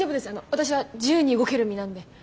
私は自由に動ける身なんで。